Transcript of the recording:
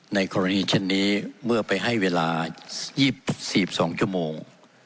ในกรณีเช่นนี้เมื่อไปให้เวลา๒๔๒ชั่วโมง